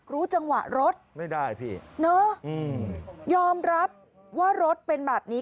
รู้จังหวะรถไม่ได้พี่เนอะยอมรับว่ารถเป็นแบบนี้